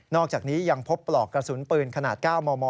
อกจากนี้ยังพบปลอกกระสุนปืนขนาด๙มม